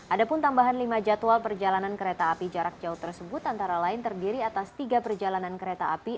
ada pun tambahan lima jadwal perjalanan kereta api jarak jauh tersebut antara lain terdiri atas tiga perjalanan kereta api